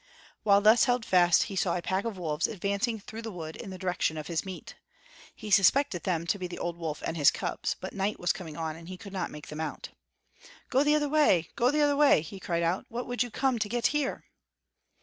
While thus held fast, he saw a pack of wolves advancing through the wood in the direction of his meat. He suspected them to be the old wolf and his cubs, but night was coming on and he could not make them out. "Go the other way, go the other way!" he cried out; "what would you come to get here?"